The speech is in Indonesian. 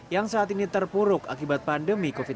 yang saat ini terpuruk akibat pandemi covid sembilan belas